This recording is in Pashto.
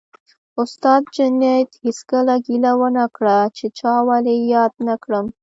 استاد جنید هېڅکله ګیله ونه کړه چې چا ولې یاد نه کړم